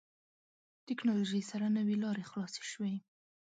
ټکنالوژي سره نوې لارې خلاصې شوې.